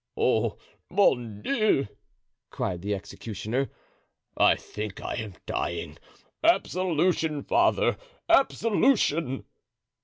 "Oh, mon Dieu!" cried the executioner, "I think I am dying. Absolution, father! absolution."